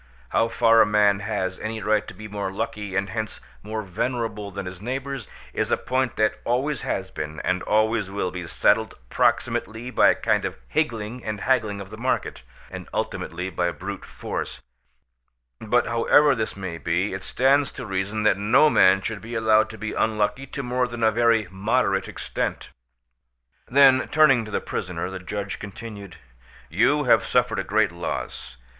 How far a man has any right to be more lucky and hence more venerable than his neighbours, is a point that always has been, and always will be, settled proximately by a kind of higgling and haggling of the market, and ultimately by brute force; but however this may be, it stands to reason that no man should be allowed to be unlucky to more than a very moderate extent." Then, turning to the prisoner, the judge continued:—"You have suffered a great loss.